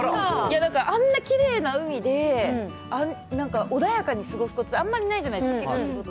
あんなきれいな海で、なんか穏やかに過ごすことって、あんまりないじゃないですか。